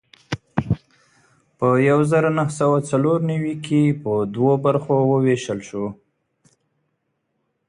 په یو زر نهه سوه څلور نوي کې په دوو برخو وېشل شو.